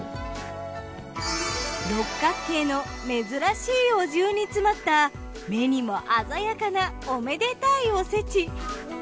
六角形の珍しいお重に詰まった目にも鮮やかなおめでたいおせち。